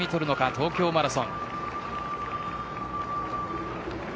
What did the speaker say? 東京マラソン。